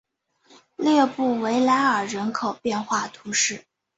列布维莱尔人口变化图示